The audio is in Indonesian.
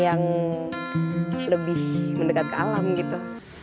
yang lebih mendekat ke alam gitu